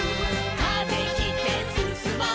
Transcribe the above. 「風切ってすすもう」